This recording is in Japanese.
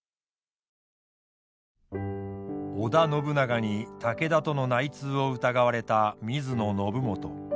織田信長に武田との内通を疑われた水野信元。